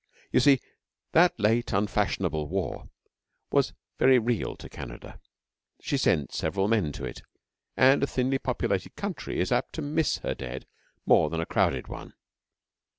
You see, that late unfashionable war was very real to Canada. She sent several men to it, and a thinly populated country is apt to miss her dead more than a crowded one.